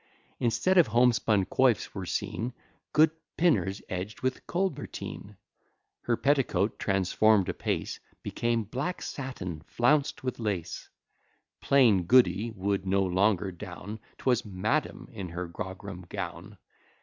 Instead of homespun coifs, were seen Good pinners edg'd with colberteen; Her petticoat, transform'd apace, Became black satin, flounced with lace. "Plain Goody" would no longer down, 'Twas "Madam," in her grogram gown.